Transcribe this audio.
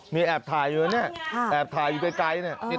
มีแอบถ่ายอยู่แล้วนี่แอบถ่ายอยู่ใกล้นี่